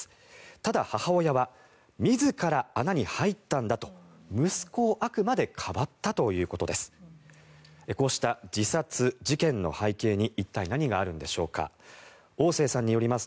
ただ、母親は自ら穴に入ったんだと息子をあくまでかばったということです。